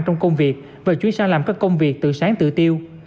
trong công việc và chú ý sang làm các công việc từ sáng tự tiêu